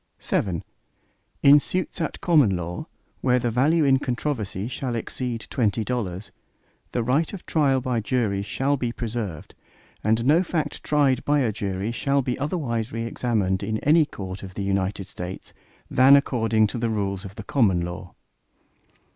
VII In suits at common law, where the value in controversy shall exceed twenty dollars, the right of trial by jury shall be preserved, and no fact tried by a jury shall be otherwise re examined in any court of the United States, than according to the rules of the common law.